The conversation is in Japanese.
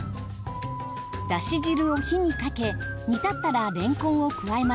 だし汁を火にかけ煮立ったられんこんを加えます。